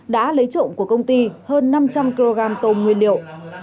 đã lấy trộm của công ty hơn năm trăm linh kg tôm nguyên liệu